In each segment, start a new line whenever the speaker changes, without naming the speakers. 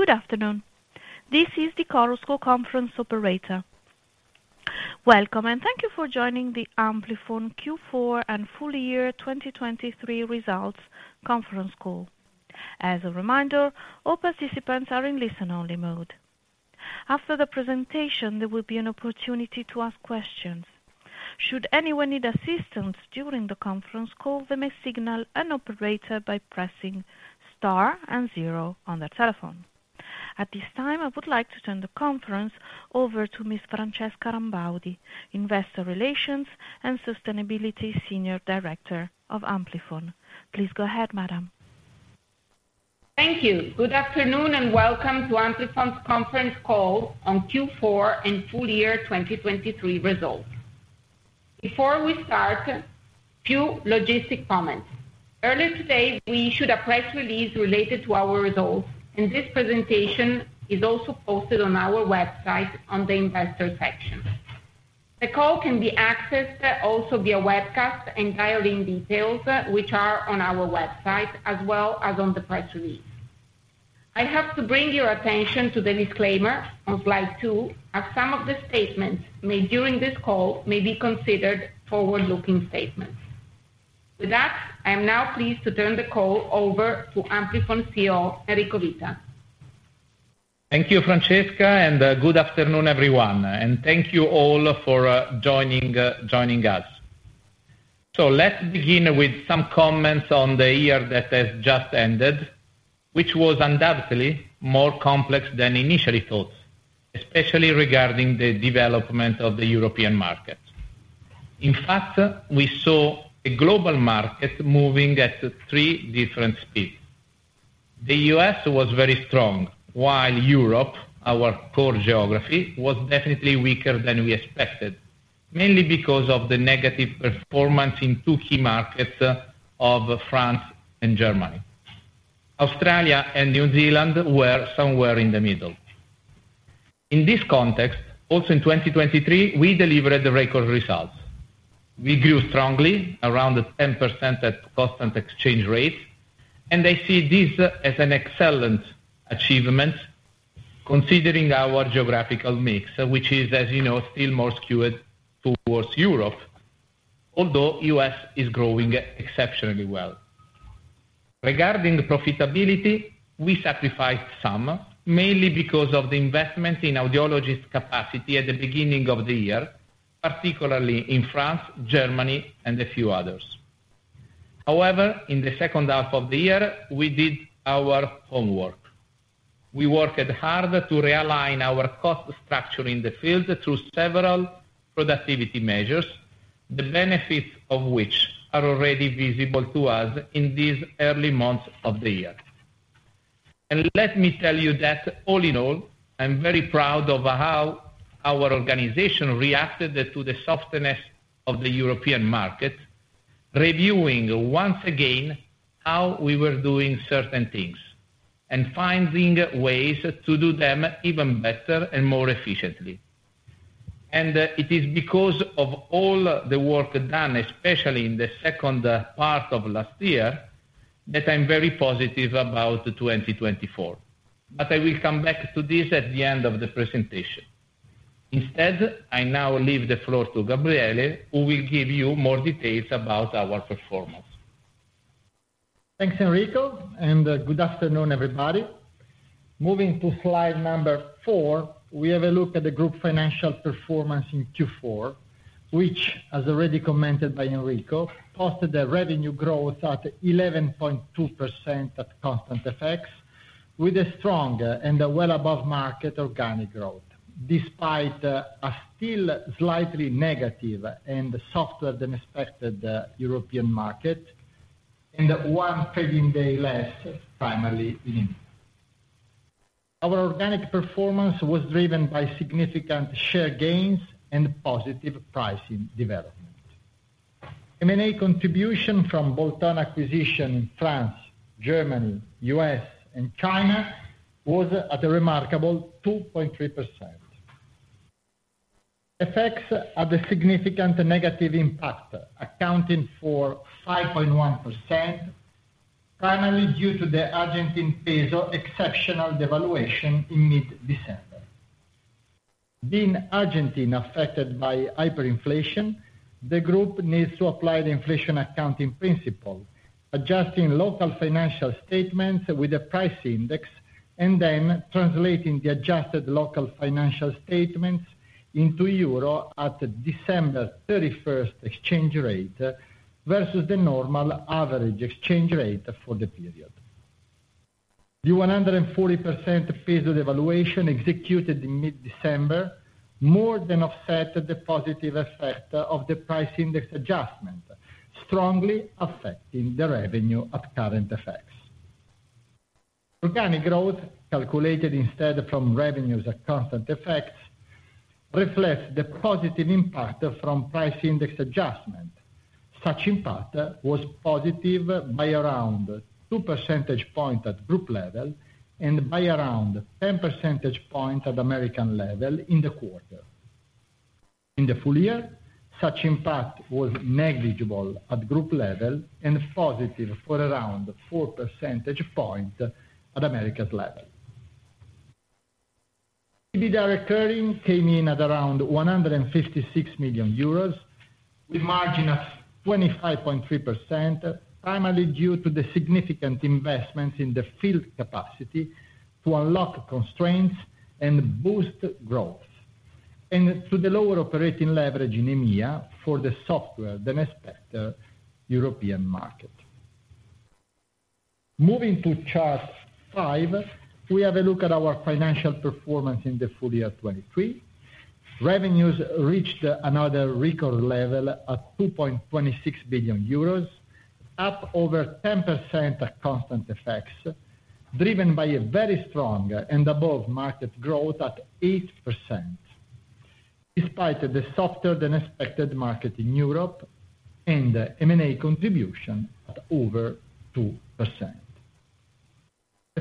Good afternoon. This is the Chorus Call Conference operator. Welcome, and thank you for joining the Amplifon Q4 and Full Year 2023 Results Conference call. As a reminder, all participants are in listen-only mode. After the presentation, there will be an opportunity to ask questions. Should anyone need assistance during the conference call, they may signal an operator by pressing star and zero on their telephone. At this time, I would like to turn the conference over to Ms. Francesca Rambaudi, Investor Relations and Sustainability Senior Director of Amplifon. Please go ahead, Madam.
Thank you. Good afternoon and welcome to Amplifon's conference call on Q4 and Full Year 2023 Results. Before we start, a few logistic comments. Earlier today, we issued a press release related to our results, and this presentation is also posted on our website on the investor section. The call can be accessed also via webcast and dial-in details, which are on our website as well as on the press release. I have to bring your attention to the disclaimer on slide 2, as some of the statements made during this call may be considered forward-looking statements. With that, I am now pleased to turn the call over to Amplifon CEO Enrico Vita.
Thank you, Francesca, and good afternoon, everyone. Thank you all for joining us. Let's begin with some comments on the year that has just ended, which was undoubtedly more complex than initially thought, especially regarding the development of the European market. In fact, we saw a global market moving at three different speeds. The U.S. was very strong, while Europe, our core geography, was definitely weaker than we expected, mainly because of the negative performance in two key markets of France and Germany. Australia and New Zealand were somewhere in the middle. In this context, also in 2023, we delivered record results. We grew strongly, around 10% at constant exchange rates. I see this as an excellent achievement considering our geographical mix, which is, as you know, still more skewed towards Europe, although the U.S. is growing exceptionally well. Regarding profitability, we sacrificed some, mainly because of the investment in audiologist capacity at the beginning of the year, particularly in France, Germany, and a few others. However, in the second half of the year, we did our homework. We worked hard to realign our cost structure in the field through several productivity measures, the benefits of which are already visible to us in these early months of the year. And let me tell you that, all in all, I'm very proud of how our organization reacted to the softness of the European market, reviewing once again how we were doing certain things and finding ways to do them even better and more efficiently. And it is because of all the work done, especially in the second part of last year, that I'm very positive about 2024. But I will come back to this at the end of the presentation. Instead, I now leave the floor to Gabriele, who will give you more details about our performance.
Thanks, Enrico, and good afternoon, everybody. Moving to slide 4, we have a look at the group financial performance in Q4, which, as already commented by Enrico, posted a revenue growth at 11.2% at constant effects, with a strong and well-above-market organic growth despite a still slightly negative and softer-than-expected European market and one trading day less, primarily in India. Our organic performance was driven by significant share gains and positive pricing development. M&A contribution from bolt-on acquisition in France, Germany, U.S., and China was at a remarkable 2.3%. Effects had a significant negative impact, accounting for 5.1%, primarily due to the Argentine peso exceptional devaluation in mid-December. Being Argentina affected by hyperinflation, the group needs to apply the inflation accounting principle, adjusting local financial statements with a price index and then translating the adjusted local financial statements into euro at the December 31st exchange rate versus the normal average exchange rate for the period. The 140% peso devaluation executed in mid-December more than offset the positive effect of the price index adjustment, strongly affecting the revenue at current effects. Organic growth, calculated instead from revenues at constant effects, reflects the positive impact from price index adjustment. Such impact was positive by around two percentage points at group level and by around 10 percentage points at Americas level in the quarter. In the full year, such impact was negligible at group level and positive for around four percentage points at Americas' level. EBITDA recurring came in at around 156 million euros, with margin of 25.3%, primarily due to the significant investments in the field capacity to unlock constraints and boost growth, and to the lower operating leverage in EMEA for the softer-than-expected European market. Moving to chart 5, we have a look at our financial performance in the full year 2023. Revenues reached another record level at 2.26 billion euros, up over 10% at constant effects, driven by a very strong and above-market growth at 8% despite the softer-than-expected market in Europe and M&A contribution at over 2%.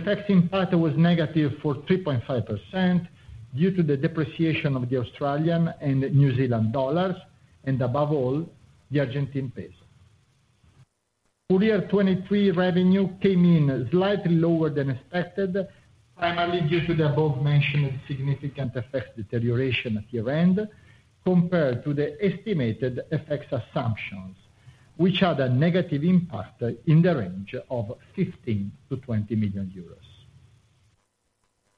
Effects in part was negative for 3.5% due to the depreciation of the Australian and New Zealand dollars and, above all, the Argentine peso. Full year 2023 revenue came in slightly lower than expected, primarily due to the above-mentioned significant effects deterioration at year-end compared to the estimated effects assumptions, which had a negative impact in the range of 15 million-20 million euros.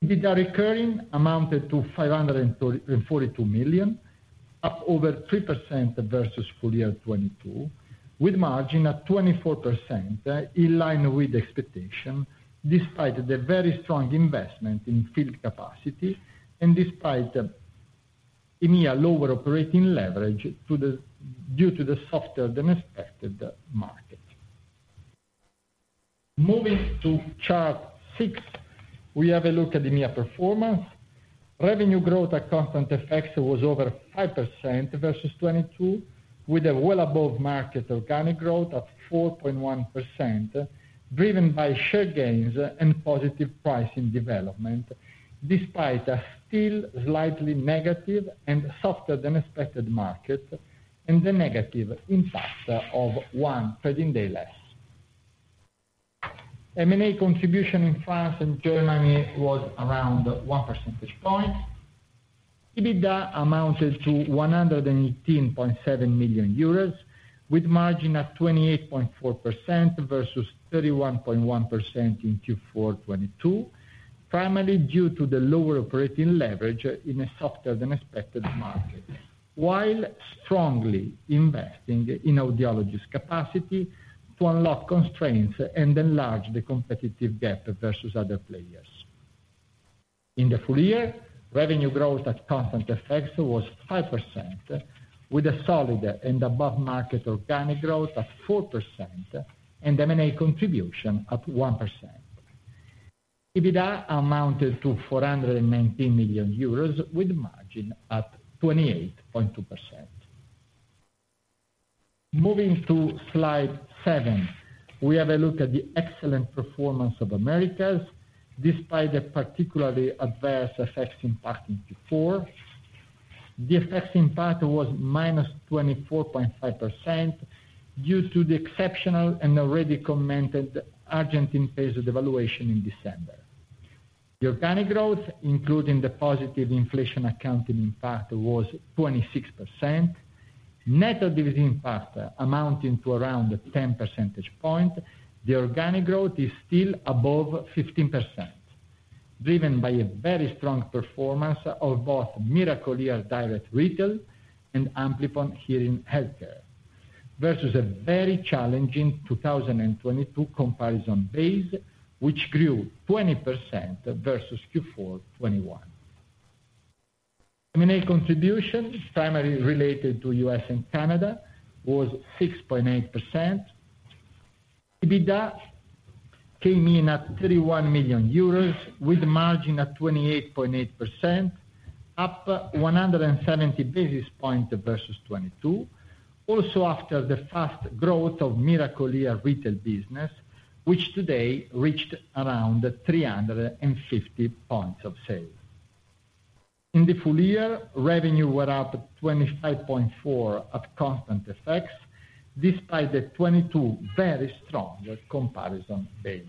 EBITDA recurring amounted to 542 million, up over 3% versus full year 2022, with margin at 24% in line with expectation despite the very strong investment in field capacity and despite EMEA lower operating leverage due to the softer-than-expected market. Moving to chart six, we have a look at EMEA performance. Revenue growth at constant effects was over 5% versus 2022, with a well-above-market organic growth at 4.1% driven by share gains and positive pricing development despite a still slightly negative and softer-than-expected market and the negative impact of one trading day less. M&A contribution in France and Germany was around 1 percentage point. EBITDA amounted to 118.7 million euros, with margin at 28.4% versus 31.1% in Q4 2022, primarily due to the lower operating leverage in a softer-than-expected market while strongly investing in audiologist capacity to unlock constraints and enlarge the competitive gap versus other players. In the full year, revenue growth at constant effects was 5%, with a solid and above-market organic growth at 4% and M&A contribution at 1%. EBITDA amounted to 419 million euros, with margin at 28.2%. Moving to slide 7, we have a look at the excellent performance of Americas despite the particularly adverse effects impacting Q4. The effects in part was -24.5% due to the exceptional and already commented Argentine peso devaluation in December. The organic growth, including the positive inflation accounting impact, was 26%. Net dividend impact amounting to around 10 percentage points, the organic growth is still above 15%, driven by a very strong performance of both Miracle-Ear Direct Retail and Amplifon Hearing Health Care versus a very challenging 2022 comparison base, which grew 20% versus Q4 2021. M&A contribution, primarily related to US and Canada, was 6.8%. EBITDA came in at 31 million euros, with margin at 28.8%, up 170 basis points versus 2022, also after the fast growth of Miracle-Ear Retail business, which today reached around 350 points of sale. In the full year, revenue were up 25.4% at constant effects despite the 2022 very strong comparison base.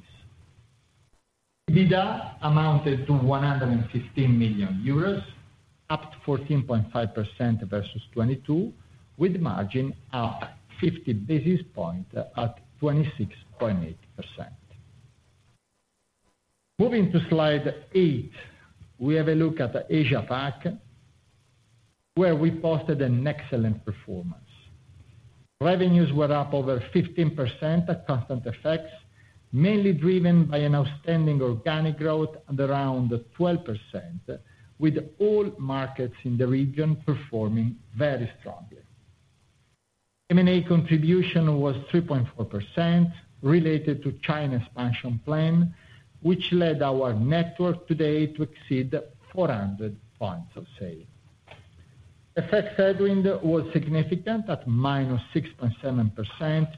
EBITDA amounted to 115 million euros, up 14.5% versus 2022, with margin up 50 basis points at 26.8%. Moving to slide 8, we have a look at Asia Pac, where we posted an excellent performance. Revenues were up over 15% at constant effects, mainly driven by an outstanding organic growth at around 12%, with all markets in the region performing very strongly. M&A contribution was 3.4% related to China's expansion plan, which led our network today to exceed 400 points of sale. Effects headwind was significant at -6.7%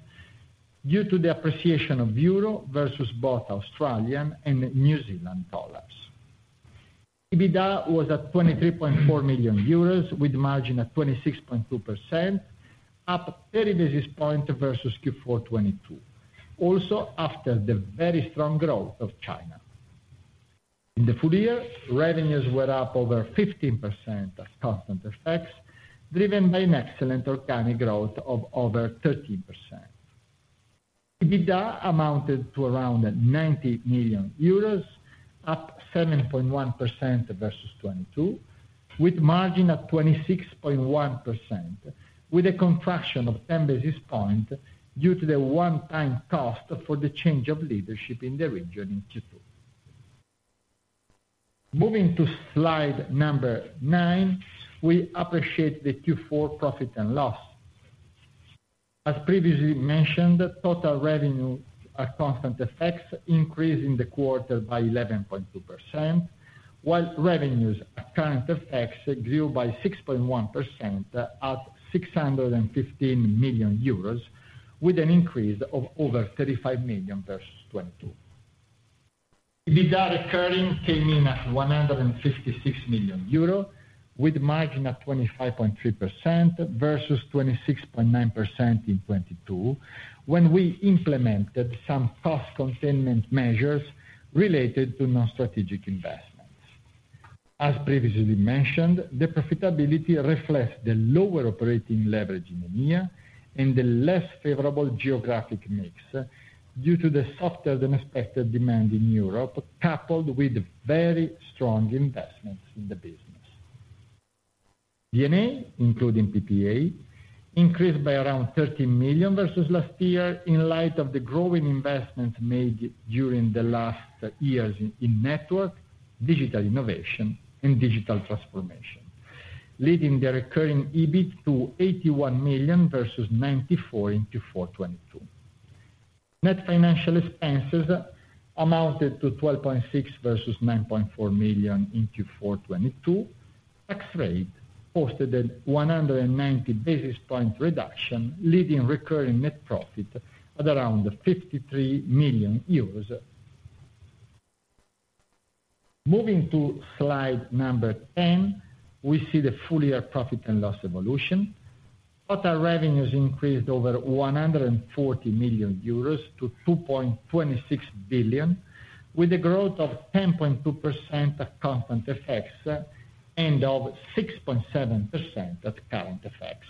due to the appreciation of euro versus both Australian and New Zealand dollars. EBITDA was at 23.4 million euros, with margin at 26.2%, up 30 basis points versus Q4 2022, also after the very strong growth of China. In the full year, revenues were up over 15% at constant effects, driven by an excellent organic growth of over 13%. EBITDA amounted to around 90 million euros, up 7.1% versus 2022, with margin at 26.1%, with a contraction of 10 basis points due to the one-time cost for the change of leadership in the region in Q2. Moving to slide number nine, we appreciate the Q4 profit and loss. As previously mentioned, total revenue at constant effects increased in the quarter by 11.2%, while revenues at current effects grew by 6.1% at 615 million euros, with an increase of over 35 million versus 2022. EBITDA recurring came in at 156 million euro, with margin at 25.3% versus 26.9% in 2022 when we implemented some cost containment measures related to non-strategic investments. As previously mentioned, the profitability reflects the lower operating leverage in EMEA and the less favorable geographic mix due to the softer-than-expected demand in Europe coupled with very strong investments in the business. D&A, including PPA, increased by around 30 million versus last year in light of the growing investments made during the last years in network, digital innovation, and digital transformation, leading the recurring EBIT to 81 million versus 94 million in Q4 2022. Net financial expenses amounted to 12.6 million versus 9.4 million in Q4 2022. Tax rate posted a 190 basis point reduction, leading recurring net profit at around 53 million euros. Moving to slide 10, we see the full year profit and loss evolution. Total revenues increased over 140 million euros to 2.26 billion, with a growth of 10.2% at constant effects and of 6.7% at current effects.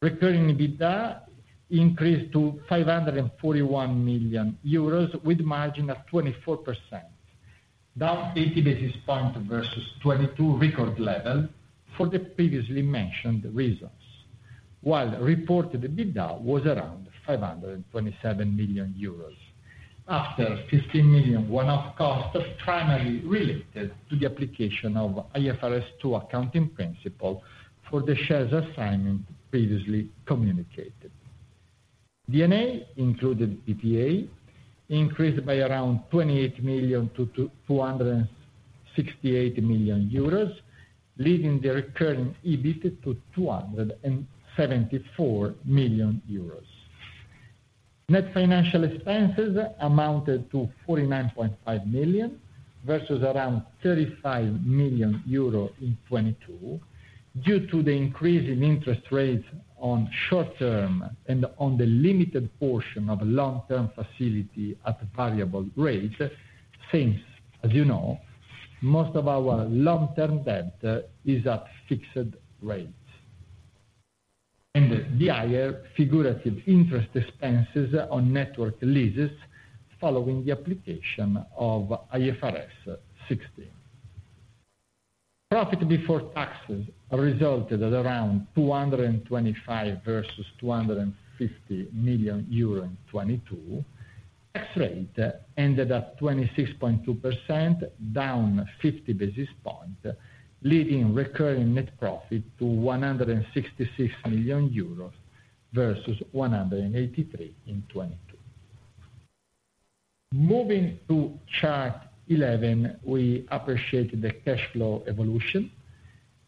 Recurring EBITDA increased to 541 million euros, with margin at 24%, down 80 basis points versus 2022 record level for the previously mentioned reasons, while reported EBITDA was around 527 million euros after 15 million one-off costs primarily related to the application of IFRS two accounting principle for the shares assignment previously communicated. D&A included PPA increased by around 28 million to 268 million euros, leading the recurring EBIT to 274 million euros. Net financial expenses amounted to 49.5 million versus around 35 million euro in 2022 due to the increase in interest rates on short-term and on the limited portion of long-term facility at variable rates since, as you know, most of our long-term debt is at fixed rates. The higher figurative interest expenses on network leases following the application of IFRS 16. Profit before taxes resulted at around 225 million versus 250 million euro in 2022. Tax rate ended at 26.2%, down 50 basis points, leading recurring net profit to 166 million euros versus 183 million in 2022. Moving to chart 11, we appreciate the cash flow evolution.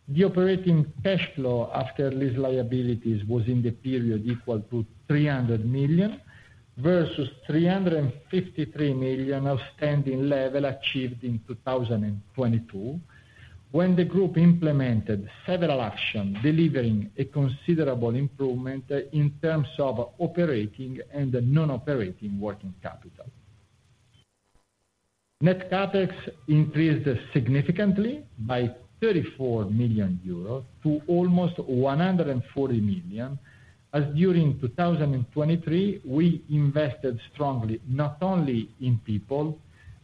The operating cash flow after lease liabilities was in the period equal to 300 million versus 353 million outstanding level achieved in 2022 when the group implemented several actions delivering a considerable improvement in terms of operating and non-operating working capital. Net CapEx increased significantly by 34 million euros to almost 140 million as during 2023 we invested strongly not only in people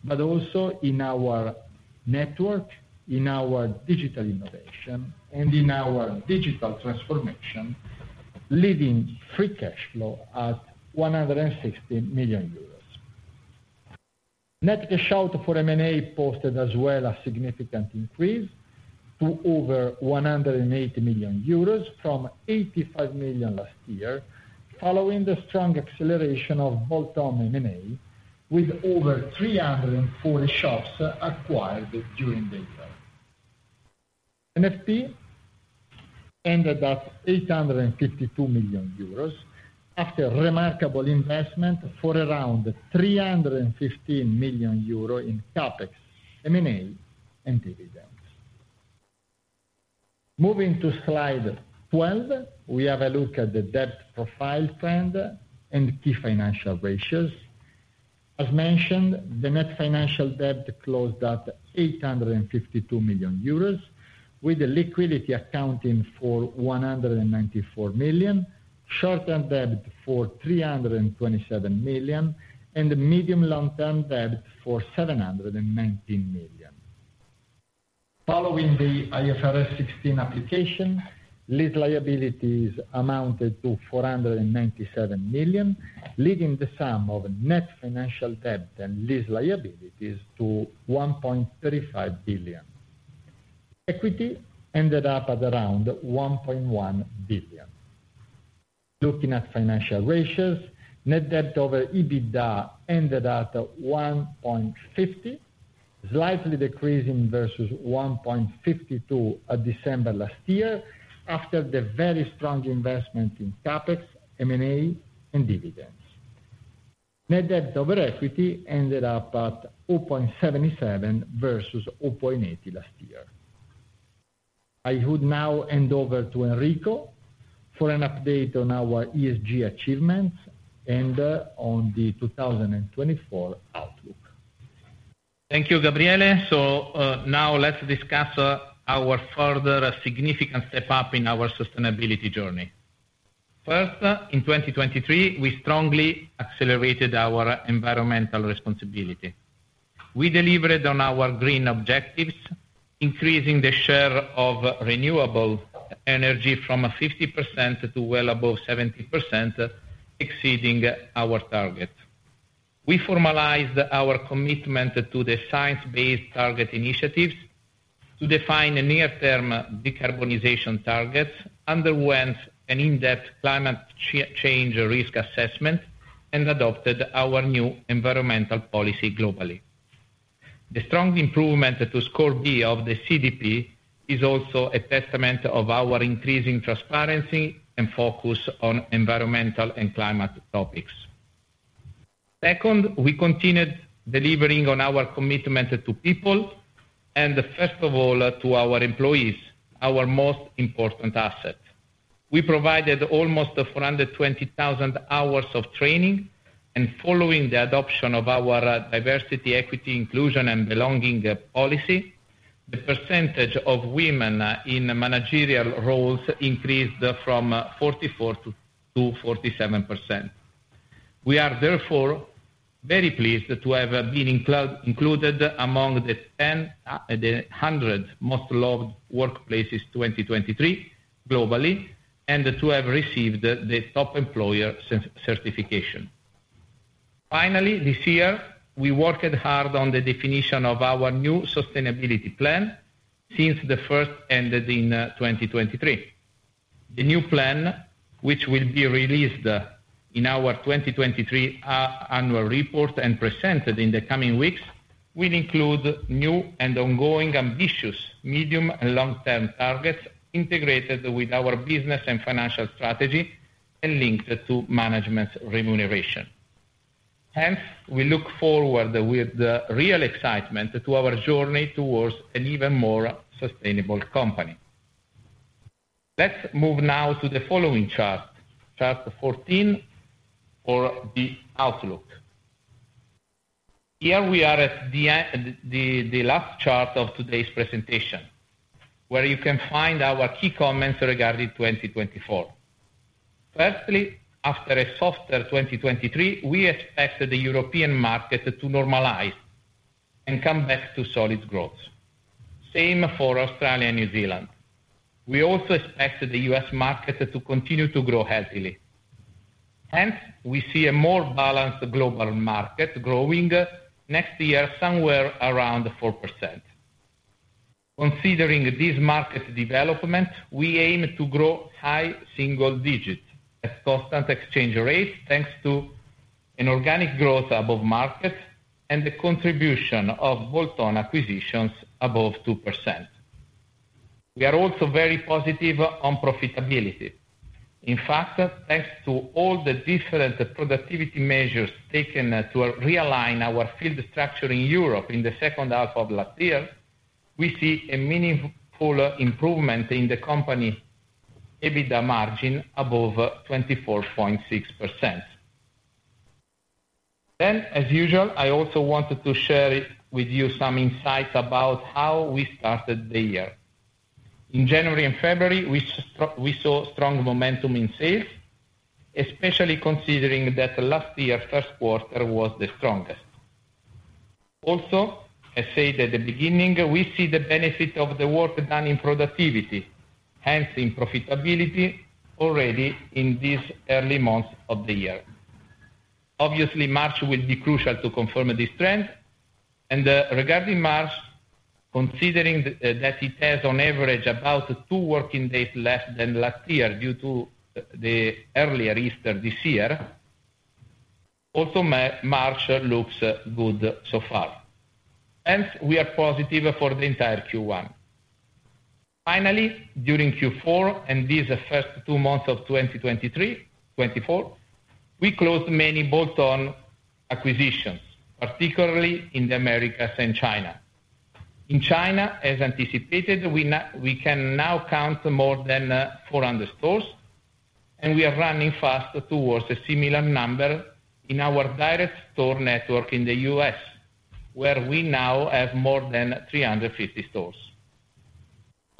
but also in our network, in our digital innovation, and in our digital transformation, leading free cash flow at 160 million euros. Net cash out for M&A posted as well a significant increase to over 180 million euros from 85 million last year following the strong acceleration of bolt-on M&A, with over 340 shops acquired during the year. NFP ended at 852 million euros after remarkable investment for around 315 million euro in CapEx, M&A, and dividends. Moving to slide 12, we have a look at the debt profile trend and key financial ratios. As mentioned, the net financial debt closed at 852 million euros, with liquidity accounting for 194 million, short-term debt for 327 million, and medium-long-term debt for 719 million. Following the IFRS 16 application, lease liabilities amounted to 497 million, leading the sum of net financial debt and lease liabilities to 1.35 billion. Equity ended up at around 1.1 billion. Looking at financial ratios, net debt over EBITDA ended at 1.50, slightly decreasing versus 1.52 at December last year after the very strong investment in CapEx, M&A, and dividends. Net debt over equity ended up at 2.77 versus 2.80 last year. I would now hand over to Enrico for an update on our ESG achievements and on the 2024 outlook. Thank you, Gabriele. So now let's discuss our further significant step up in our sustainability journey. First, in 2023, we strongly accelerated our environmental responsibility. We delivered on our green objectives, increasing the share of renewable energy from 50% to well above 70%, exceeding our target. We formalized our commitment to the Science Based Targets initiative, to define near-term decarbonization targets, underwent an in-depth climate change risk assessment, and adopted our new environmental policy globally. The strong improvement to Score B of the CDP is also a testament of our increasing transparency and focus on environmental and climate topics. Second, we continued delivering on our commitment to people and, first of all, to our employees, our most important asset. We provided almost 420,000 hours of training, and following the adoption of our Diversity, Equity, Inclusion, and Belonging Policy, the percentage of women in managerial roles increased from 44%-47%. We are, therefore, very pleased to have been included among the 1,000 Most Loved Workplaces 2023 globally and to have received the Top Employer certification. Finally, this year, we worked hard on the definition of our new sustainability plan since the first ended in 2023. The new plan, which will be released in our 2023 annual report and presented in the coming weeks, will include new and ongoing ambitious medium and long-term targets integrated with our business and financial strategy and linked to management remuneration. Hence, we look forward with real excitement to our journey towards an even more sustainable company. Let's move now to the following chart, chart 14 for the outlook. Here we are at the last chart of today's presentation, where you can find our key comments regarding 2024. Firstly, after a softer 2023, we expect the European market to normalize and come back to solid growth. Same for Australia and New Zealand. We also expect the U.S. market to continue to grow healthily. Hence, we see a more balanced global market growing next year somewhere around 4%. Considering this market development, we aim to grow high single-digit at constant exchange rates thanks to an organic growth above market and the contribution of bolt-on acquisitions above 2%. We are also very positive on profitability. In fact, thanks to all the different productivity measures taken to realign our field structure in Europe in the second half of last year, we see a meaningful improvement in the company EBITDA margin above 24.6%. Then, as usual, I also wanted to share with you some insights about how we started the year. In January and February, we saw strong momentum in sales, especially considering that last year's first quarter was the strongest. Also, as said at the beginning, we see the benefit of the work done in productivity, hence in profitability, already in these early months of the year. Obviously, March will be crucial to confirm this trend. Regarding March, considering that it has on average about two working days less than last year due to the earlier Easter this year, also March looks good so far. Hence, we are positive for the entire Q1. Finally, during Q4 and these first two months of 2024, we closed many bolt-on acquisitions, particularly in the Americas and China. In China, as anticipated, we can now count more than 400 stores, and we are running fast towards a similar number in our direct store network in the U.S., where we now have more than 350 stores.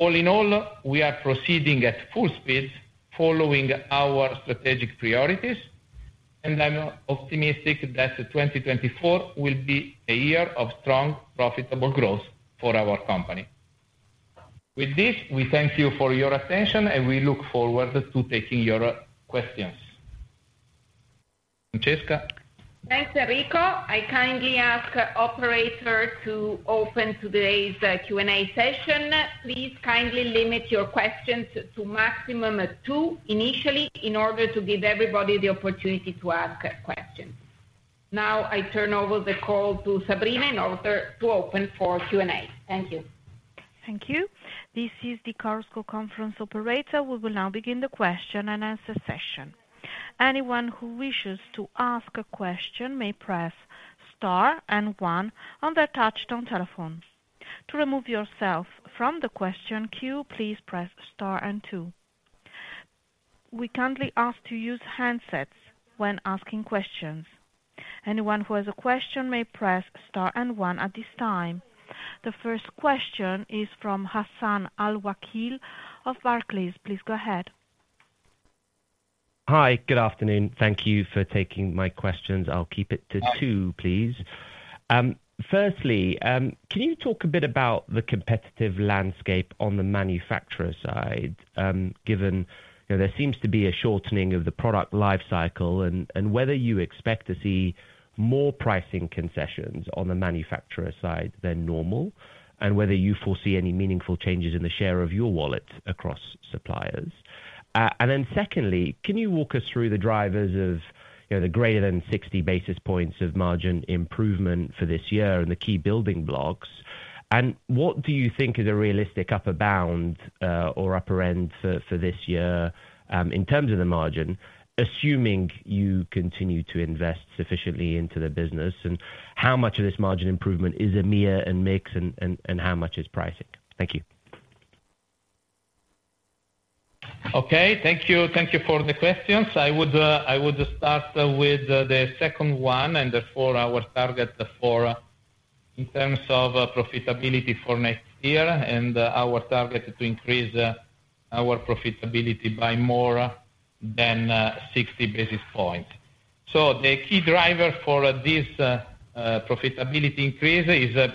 All in all, we are proceeding at full speed following our strategic priorities, and I'm optimistic that 2024 will be a year of strong, profitable growth for our company. With this, we thank you for your attention, and we look forward to taking your questions. Francesca?
Thanks, Enrico. I kindly ask operators to open today's Q&A session. Please kindly limit your questions to maximum two initially in order to give everybody the opportunity to ask questions. Now I turn over the call to Sabrina in order to open for Q&A. Thank you.
Thank you. This is the Carlsbad Conference operator. We will now begin the question and answer session. Anyone who wishes to ask a question may press star and one on their touch-tone telephone. To remove yourself from the question queue, please press star and two. We kindly ask to use handsets when asking questions. Anyone who has a question may press star and one at this time. The first question is from Hassan Al-Wakeel of Barclays. Please go ahead. Hi. Good afternoon. Thank you for taking my questions. I'll keep it to two, please.
Firstly, can you talk a bit about the competitive landscape on the manufacturer side, given there seems to be a shortening of the product lifecycle, and whether you expect to see more pricing concessions on the manufacturer side than normal, and whether you foresee any meaningful changes in the share of your wallet across suppliers? And then secondly, can you walk us through the drivers of the greater than 60 basis points of margin improvement for this year and the key building blocks? And what do you think is a realistic upper bound or upper end for this year in terms of the margin, assuming you continue to invest sufficiently into the business? And how much of this margin improvement is merch and mix, and how much is pricing? Thank you. Okay. Thank you. Thank you for the questions.
I would start with the second one, and therefore, our target in terms of profitability for next year and our target to increase our profitability by more than 60 basis points. So the key driver for this profitability increase is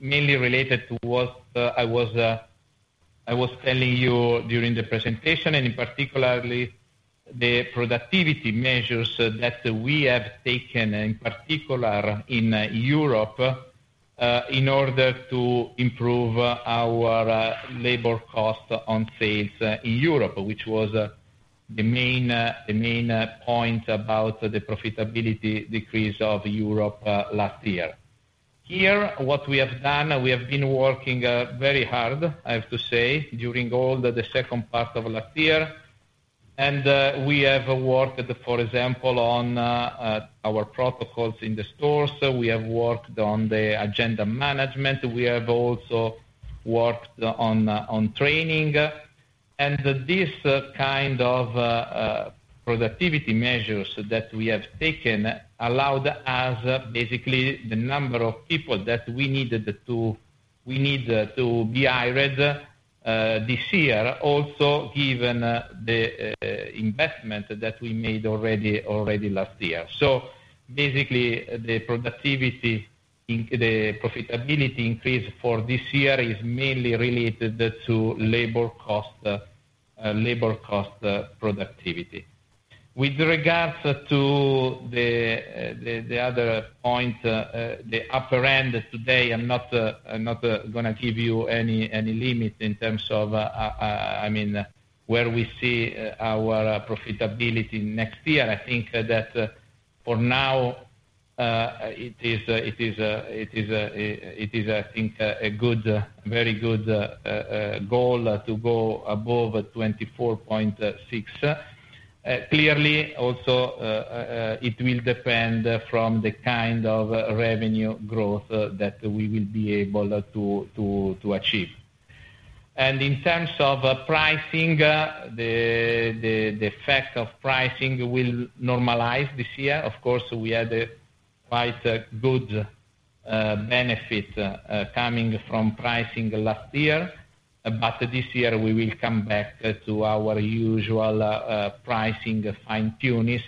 mainly related to what I was telling you during the presentation, and in particular, the productivity measures that we have taken, in particular, in Europe in order to improve our labor cost on sales in Europe, which was the main point about the profitability decrease of Europe last year. Here, what we have done, we have been working very hard, I have to say, during all the second part of last year. We have worked, for example, on our protocols in the stores. We have worked on the agenda management. We have also worked on training.
This kind of productivity measures that we have taken allowed us, basically, the number of people that we needed to be hired this year, also given the investment that we made already last year. So basically, the profitability increase for this year is mainly related to labor cost productivity. With regards to the other point, the upper end today, I'm not going to give you any limit in terms of, I mean, where we see our profitability next year. I think that for now, it is, I think, a very good goal to go above 24.6. Clearly, also, it will depend from the kind of revenue growth that we will be able to achieve. And in terms of pricing, the effect of pricing will normalize this year. Of course, we had quite good benefit coming from pricing last year. But this year, we will come back to our usual pricing fine-tuning.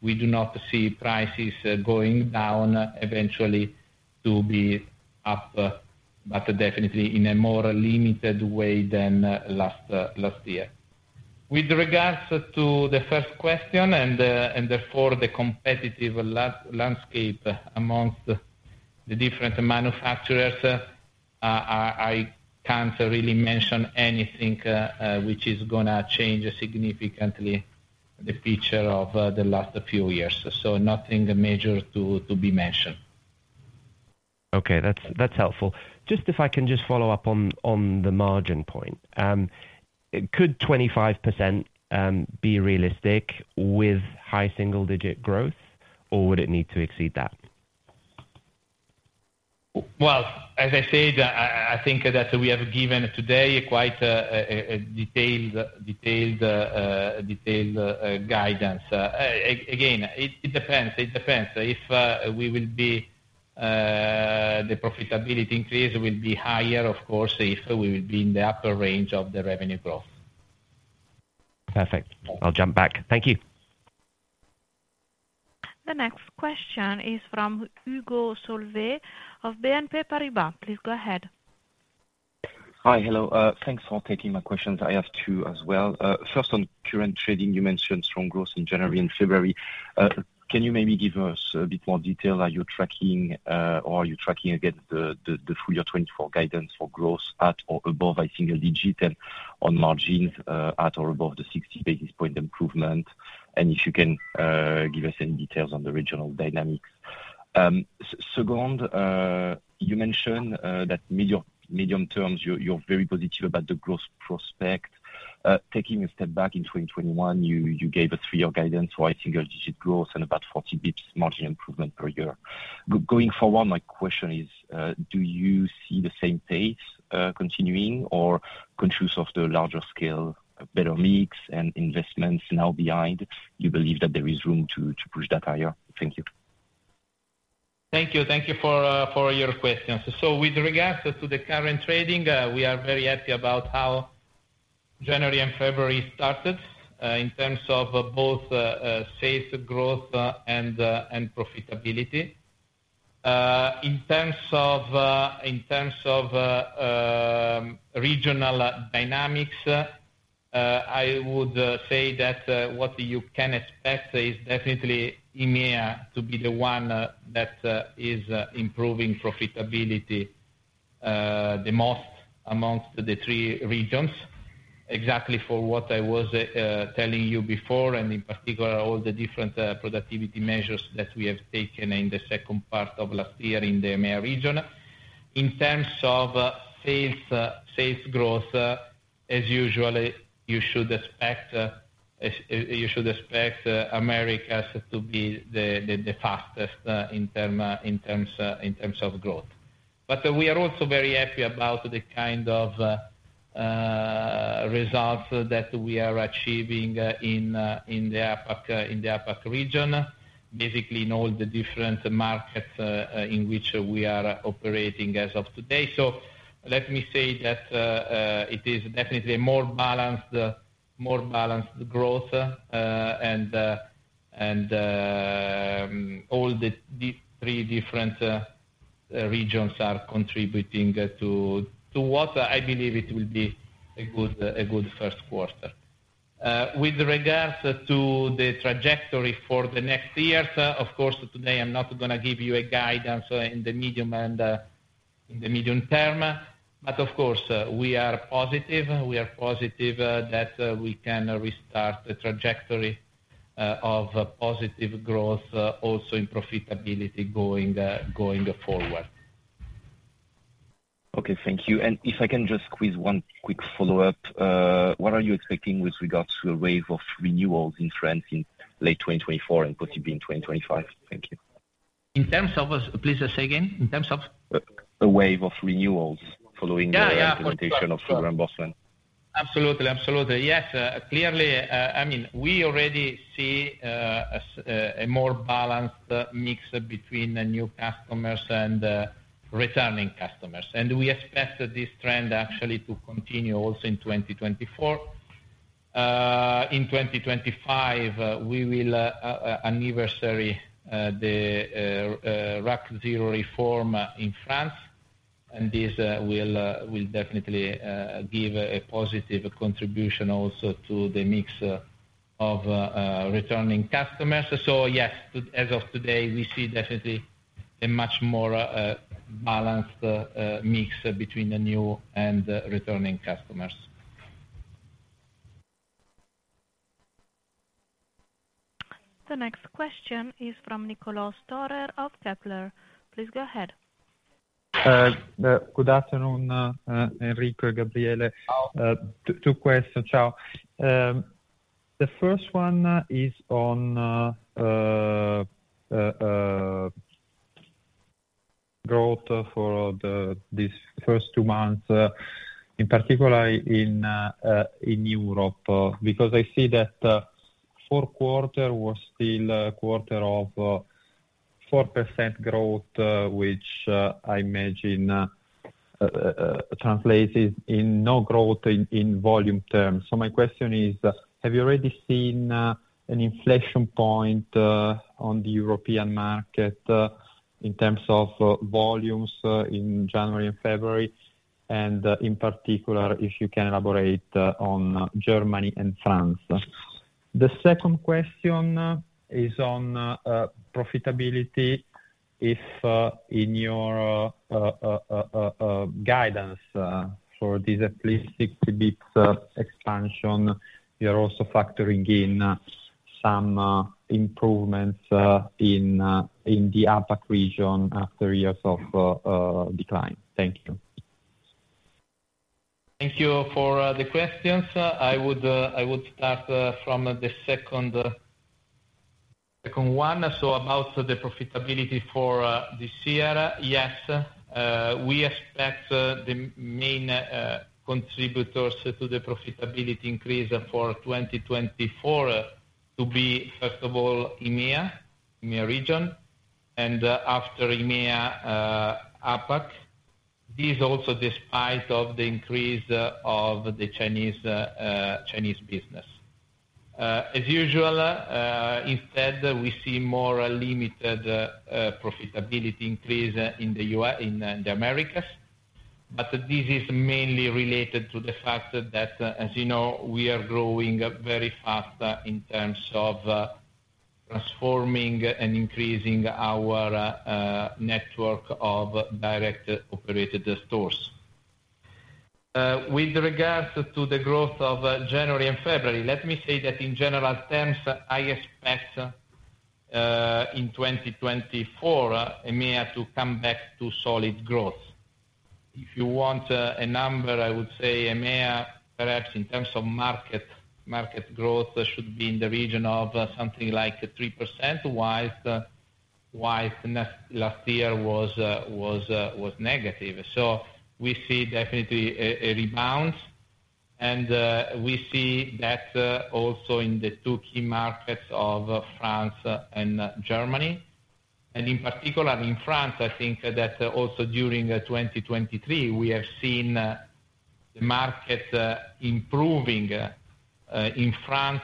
We do not see prices going down eventually to be up, but definitely in a more limited way than last year. With regards to the first question and therefore the competitive landscape amongst the different manufacturers, I can't really mention anything which is going to change significantly the picture of the last few years. So nothing major to be mentioned.
Okay. That's helpful. Just, if I can just follow up on the margin point, could 25% be realistic with high single-digit growth, or would it need to exceed that?
Well, as I said, I think that we have given today quite detailed guidance. Again, it depends. It depends. The profitability increase will be higher, of course, if we will be in the upper range of the revenue growth.
Perfect. I'll jump back. Thank you.
The next question is from Hugo Solvet of BNP Paribas. Please go ahead.
Hi. Hello. Thanks for taking my questions. I have two as well. First, on current trading, you mentioned strong growth in January and February. Can you maybe give us a bit more detail? Are you tracking, or are you tracking against the full year 2024 guidance for growth at or above a single digit and on margins at or above the 60 basis point improvement? And if you can give us any details on the regional dynamics. Second, you mentioned that medium-term, you're very positive about the growth prospect. Taking a step back in 2021, you gave a three-year guidance for a single-digit growth and about 40 basis points margin improvement per year. Going forward, my question is, do you see the same pace continuing, or conscious of the larger-scale, better mix, and investments now behind? You believe that there is room to push that higher. Thank you.
Thank you. Thank you for your questions. So with regards to the current trading, we are very happy about how January and February started in terms of both sales growth and profitability. In terms of regional dynamics, I would say that what you can expect is definitely EMEA to be the one that is improving profitability the most among the three regions, exactly for what I was telling you before and in particular, all the different productivity measures that we have taken in the second part of last year in the EMEA region. In terms of sales growth, as usual, you should expect America to be the fastest in terms of growth. But we are also very happy about the kind of results that we are achieving in the APAC region, basically in all the different markets in which we are operating as of today. So let me say that it is definitely a more balanced growth, and all the three different regions are contributing to what I believe it will be a good first quarter. With regards to the trajectory for the next years, of course, today, I'm not going to give you a guidance in the medium term. But of course, we are positive. We are positive that we can restart the trajectory of positive growth also in profitability going forward.
Okay. Thank you. And if I can just squeeze one quick follow-up, what are you expecting with regards to a wave of renewals in France in late 2024 and possibly in 2025? Thank you.
In terms of please say again? In terms of? A wave of renewals following the implementation of reimbursement. Absolutely. Absolutely. Yes. Clearly, I mean, we already see a more balanced mix between new customers and returning customers. We expect this trend actually to continue also in 2024. In 2025, we will anniversary the RAC 0 reform in France, and this will definitely give a positive contribution also to the mix of returning customers. Yes, as of today, we see definitely a much more balanced mix between the new and returning customers.
The next question is from Niccolò Storer of Kepler. Please go ahead.
Good afternoon, Enrico Gabriele. Two questions. Ciao. The first one is on growth for these first two months, in particular, in Europe, because I see that fourth quarter was still quarter of 4% growth, which I imagine translates in no growth in volume terms. So my question is, have you already seen an inflation point on the European market in terms of volumes in January and February, and in particular, if you can elaborate on Germany and France? The second question is on profitability. If in your guidance for this at least 60 basis points expansion, you're also factoring in some improvements in the APAC region after years of decline? Thank you.
Thank you for the questions. I would start from the second one. So about the profitability for this year, yes, we expect the main contributors to the profitability increase for 2024 to be, first of all, EMEA region and after EMEA APAC. This is also despite the increase of the Chinese business. As usual, instead, we see more limited profitability increase in the Americas. But this is mainly related to the fact that, as you know, we are growing very fast in terms of transforming and increasing our network of direct-operated stores. With regards to the growth of January and February, let me say that in general terms, I expect in 2024, EMEA to come back to solid growth. If you want a number, I would say EMEA, perhaps in terms of market growth, should be in the region of something like 3%, while last year was negative. So we see definitely a rebound, and we see that also in the two key markets of France and Germany. And in particular, in France, I think that also during 2023, we have seen the market improving in France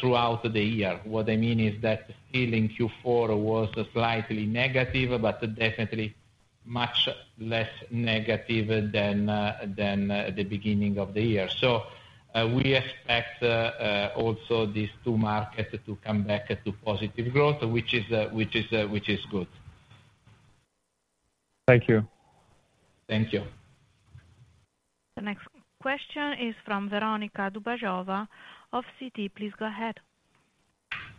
throughout the year. What I mean is that still in Q4 was slightly negative, but definitely much less negative than the beginning of the year. So we expect also these two markets to come back to positive growth, which is good.
Thank you.
Thank you.
The next question is from Veronika Dubajova of Citi. Please go ahead.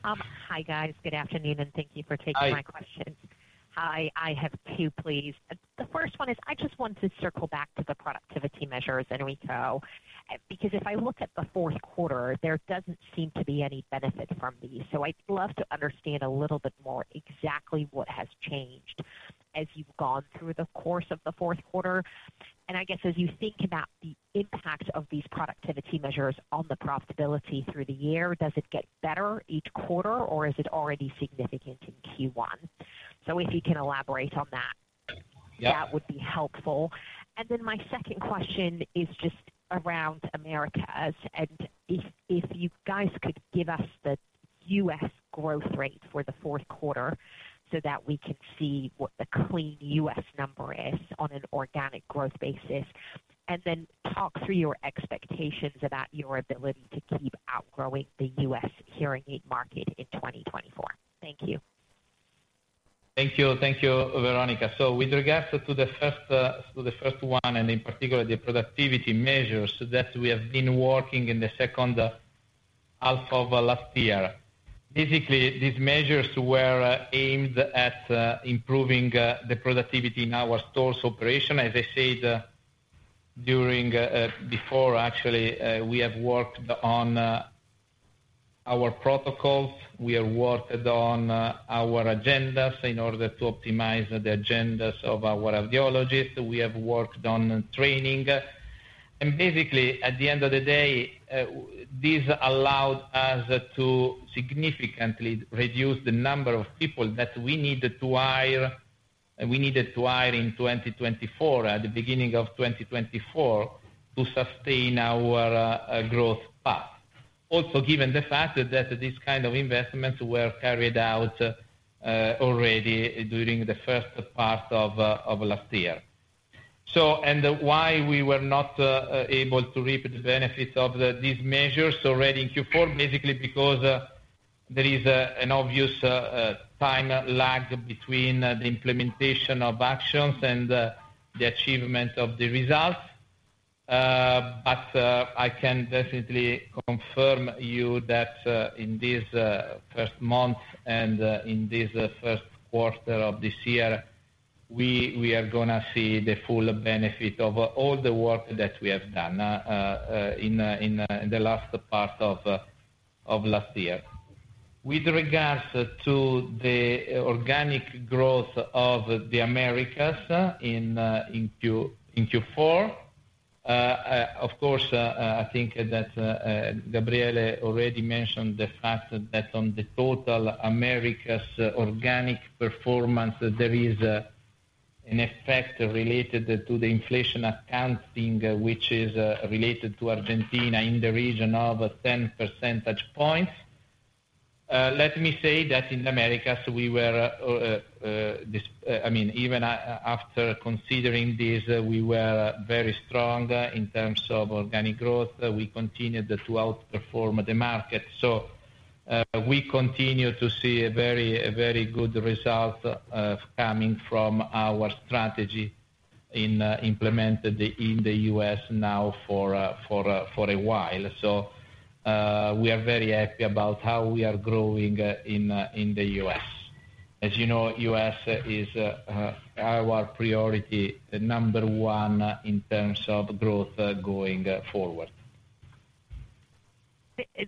Hi, guys. Good afternoon, and thank you for taking my question. Hi. I have two, please. The first one is I just want to circle back to the productivity measures, Enrico, because if I look at the fourth quarter, there doesn't seem to be any benefit from these. So I'd love to understand a little bit more exactly what has changed as you've gone through the course of the fourth quarter. And I guess as you think about the impact of these productivity measures on the profitability through the year, does it get better each quarter, or is it already significant in Q1? So if you can elaborate on that, that would be helpful. Then my second question is just around Americas. And if you guys could give us the US growth rate for the fourth quarter so that we can see what the clean U.S. number is on an organic growth basis and then talk through your expectations about your ability to keep outgrowing the U.S. hearing aid market in 2024. Thank you.
Thank you. Thank you, Veronika. With regards to the first one and in particular, the productivity measures that we have been working in the second half of last year, basically, these measures were aimed at improving the productivity in our stores' operation. As I said before, actually, we have worked on our protocols. We have worked on our agendas in order to optimize the agendas of our audiologists. We have worked on training. Basically, at the end of the day, this allowed us to significantly reduce the number of people that we needed to hire and we needed to hire in 2024, at the beginning of 2024, to sustain our growth path, also given the fact that these kind of investments were carried out already during the first part of last year. Why we were not able to reap the benefits of these measures already in Q4, basically because there is an obvious time lag between the implementation of actions and the achievement of the results. I can definitely confirm you that in this first month and in this first quarter of this year, we are going to see the full benefit of all the work that we have done in the last part of last year. With regards to the organic growth of the Americas in Q4, of course, I think that Gabriele already mentioned the fact that on the total Americas organic performance, there is an effect related to the inflation accounting, which is related to Argentina in the region of 10 percentage points. Let me say that in the Americas, we were I mean, even after considering this, we were very strong in terms of organic growth. We continued to outperform the market. So we continue to see a very good result coming from our strategy implemented in the U.S. now for a while. So we are very happy about how we are growing in the U.S.. As you know, U.S. is our priority, number one in terms of growth going forward.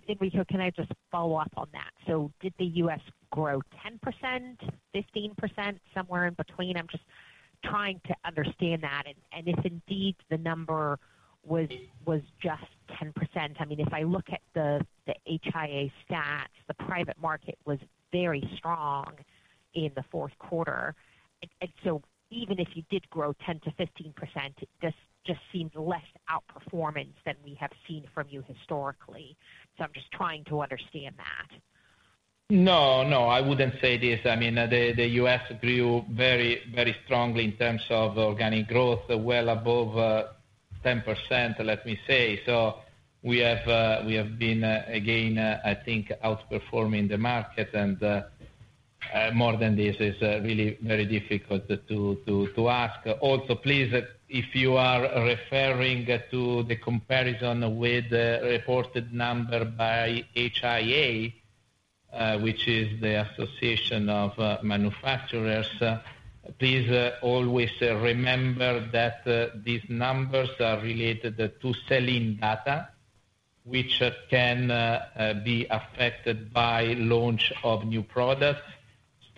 Enrico, can I just follow up on that? So did the US grow 10%, 15%, somewhere in between? I'm just trying to understand that. If indeed the number was just 10%, I mean, if I look at the HIA stats, the private market was very strong in the fourth quarter. So even if you did grow 10%-15%, it just seemed less outperformance than we have seen from you historically. I'm just trying to understand that.
No, no. I wouldn't say this. I mean, the U.S. grew very, very strongly in terms of organic growth, well above 10%, let me say. So we have been, again, I think, outperforming the market. And more than this, it's really very difficult to ask. Also, please, if you are referring to the comparison with the reported number by HIA, which is the Association of Manufacturers, please always remember that these numbers are related to selling data, which can be affected by launch of new products,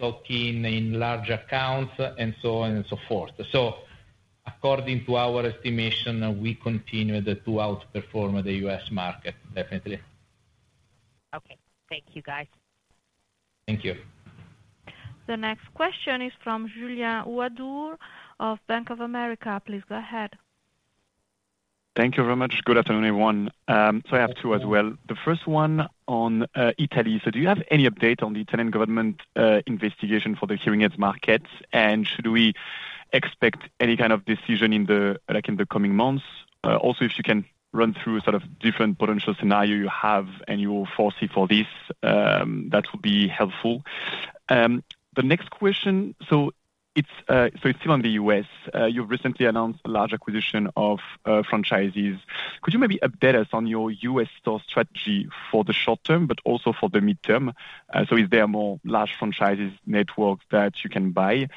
stocking in large accounts, and so on and so forth. So according to our estimation, we continued to outperform the U.S. market, definitely.
Okay. Thank you, guys.
Thank you.
The next question is from Julien Ouaddour of Bank of America. Please go ahead.
Thank you very much. Good afternoon, everyone. So I have two as well. The first one on Italy. So do you have any update on the Italian government investigation for the hearing aids market? And should we expect any kind of decision in the coming months? Also, if you can run through sort of different potential scenarios you have and you will foresee for this, that would be helpful. The next question, so it's still in the U.S. You've recently announced a large acquisition of franchises. Could you maybe update us on your U.S. store strategy for the short term, but also for the mid-term? So is there more large franchises network that you can buy?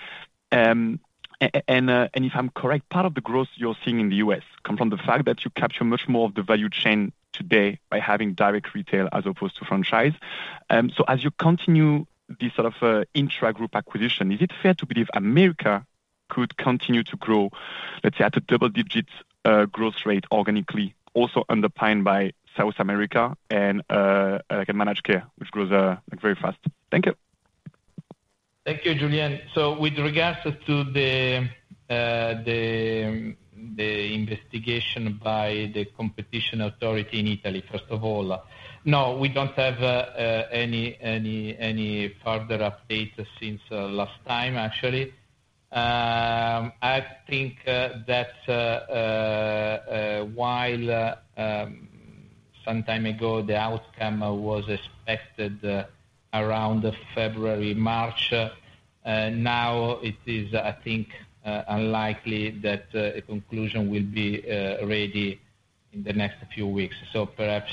And if I'm correct, part of the growth you're seeing in the U.S. comes from the fact that you capture much more of the value chain today by having direct retail as opposed to franchise. So as you continue this sort of intra-group acquisition, is it fair to believe America could continue to grow, let's say, at a double-digit growth rate organically, also underpinned by South America and managed care, which grows very fast? Thank you.
Thank you, Julien. So with regards to the investigation by the competition authority in Italy, first of all, no, we don't have any further updates since last time, actually. I think that while some time ago, the outcome was expected around February, March, now it is, I think, unlikely that a conclusion will be ready in the next few weeks. So perhaps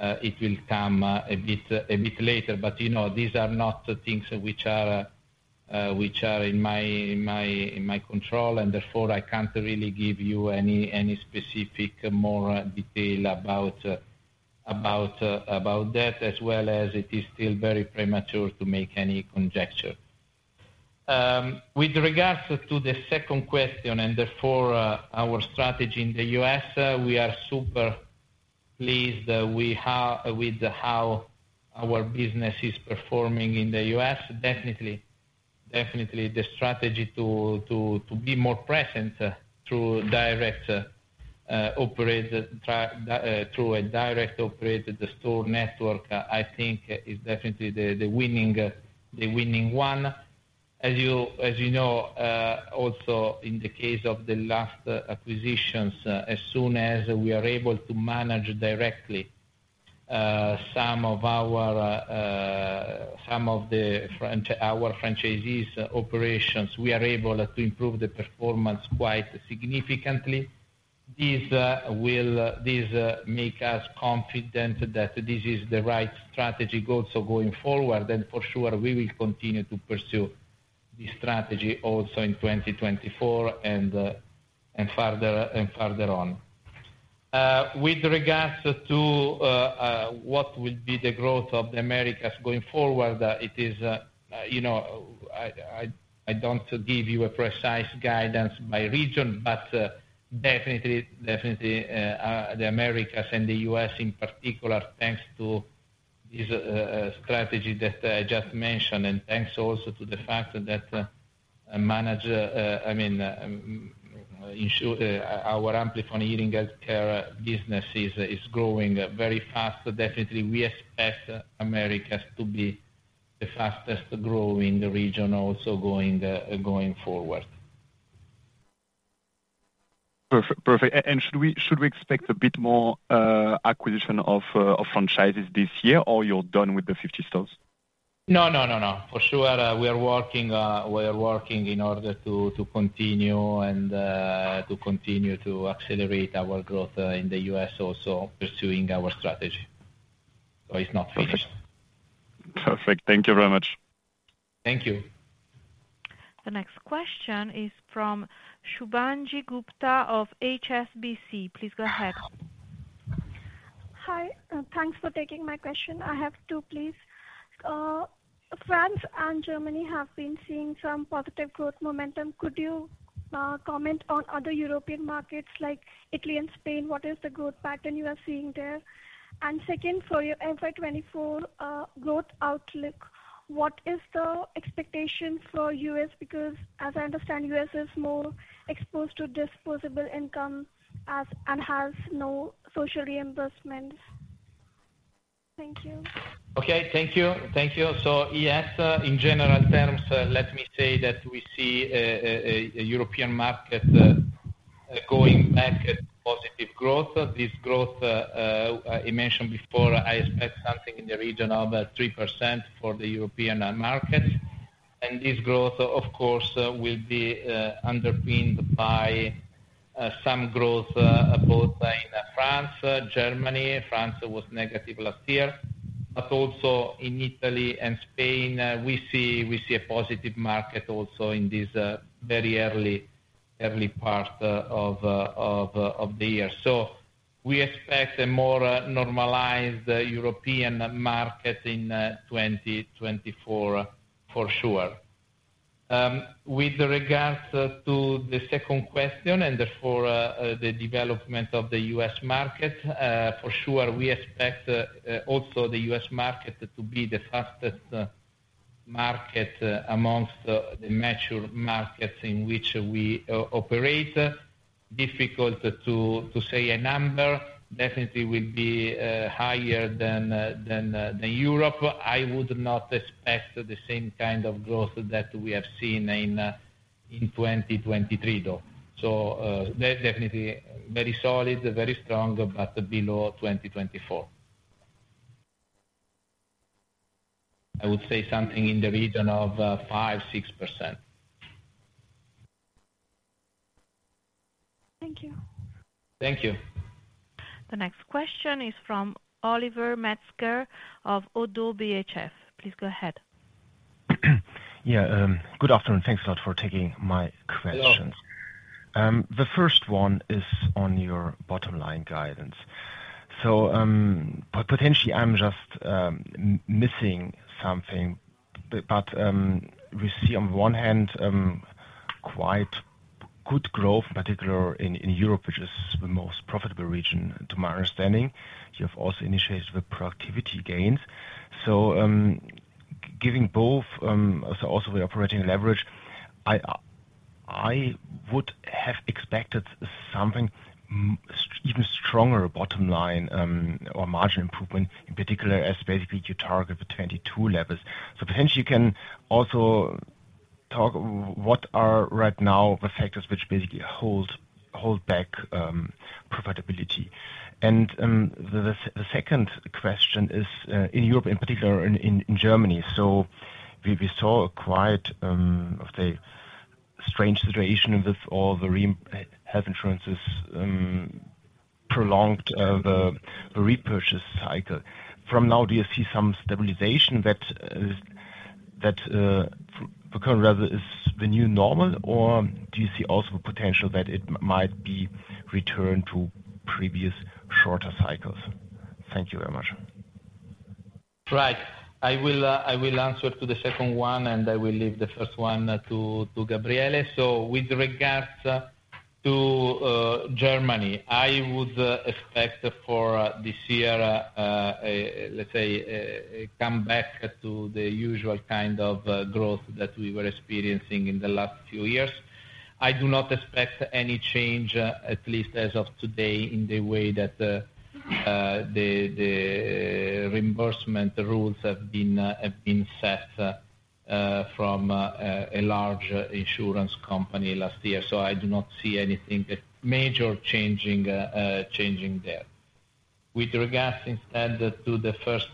it will come a bit later. But these are not things which are in my control, and therefore, I can't really give you any specific more detail about that, as well as it is still very premature to make any conjecture. With regards to the second question and therefore our strategy in the U.S., we are super pleased with how our business is performing in the U.S. Definitely, the strategy to be more present through a direct-operated store network, I think, is definitely the winning one. As you know, also in the case of the last acquisitions, as soon as we are able to manage directly some of our franchisees' operations, we are able to improve the performance quite significantly. This will make us confident that this is the right strategy also going forward. For sure, we will continue to pursue this strategy also in 2024 and further on. With regards to what will be the growth of the Americas going forward, it is, I don't give you a precise guidance by region, but definitely the Americas and the US in particular, thanks to this strategy that I just mentioned. And thanks also to the fact that, I mean, our Amplifon Hearing Health Care business is growing very fast. Definitely, we expect Americas to be the fastest growing region also going forward.
Perfect. Should we expect a bit more acquisition of franchises this year, or you're done with the 50 stores?
No, no, no, no. For sure, we are working in order to continue and to continue to accelerate our growth in the US also pursuing our strategy. So it's not finished.
Perfect. Perfect. Thank you very much.
Thank you.
The next question is from Shubhangi Gupta of HSBC. Please go ahead.
Hi. Thanks for taking my question. I have two, please. France and Germany have been seeing some positive growth momentum. Could you comment on other European markets like Italy and Spain? What is the growth pattern you are seeing there? And second, for your FY 2024 growth outlook, what is the expectation for U.S.? Because as I understand, U.S. is more exposed to disposable income and has no social reimbursements. Thank you.
Okay. Thank you. Thank you. So yes, in general terms, let me say that we see a European market going back to positive growth. This growth, I mentioned before, I expect something in the region of 3% for the European markets. And this growth, of course, will be underpinned by some growth both in France, Germany. France was negative last year, but also in Italy and Spain, we see a positive market also in this very early part of the year. So we expect a more normalized European market in 2024, for sure. With regards to the second question and therefore the development of the U.S. market, for sure, we expect also the U.S. market to be the fastest market amongst the mature markets in which we operate. Difficult to say a number. Definitely, it will be higher than Europe. I would not expect the same kind of growth that we have seen in 2023, though. So definitely very solid, very strong, but below 2024. I would say something in the region of 5%-6%.
Thank you.
Thank you.
The next question is from Oliver Metzger of ODDO BHF. Please go ahead.
Yeah. Good afternoon. Thanks a lot for taking my questions. The first one is on your bottom-line guidance. So potentially, I'm just missing something. But we see, on the one hand, quite good growth, particularly in Europe, which is the most profitable region to my understanding. You have also initiated the productivity gains. So giving both also we're operating leverage, I would have expected something even stronger bottom-line or margin improvement, in particular, as basically you target the 22% levels. So potentially, you can also talk what are right now the factors which basically hold back profitability? The second question is in Europe, in particular, in Germany. We saw quite, I would say, a strange situation with all the health insurances, prolonged the repurchase cycle. From now, do you see some stabilization that the current rather is the new normal, or do you see also the potential that it might be returned to previous shorter cycles? Thank you very much.
Right. I will answer to the second one, and I will leave the first one to Gabriele. With regards to Germany, I would expect for this year, let's say, a comeback to the usual kind of growth that we were experiencing in the last few years. I do not expect any change, at least as of today, in the way that the reimbursement rules have been set from a large insurance company last year. So I do not see anything major changing there. With regards instead to the first